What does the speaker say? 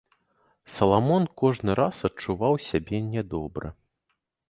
Саламон кожны раз адчуваў сябе нядобра.